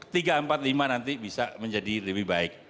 tiga empat lima nanti bisa menjadi lebih baik